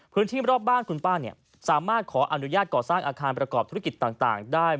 พื้นที่รอบบ้านคุณป้าสามารถขออนุญาตก่อสร้างอาคารประกอบธุรกิจต่างได้